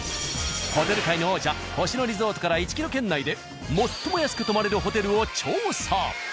ホテル界の王者・星野リゾートから１キロ圏内で最も安く泊まれるホテルを調査！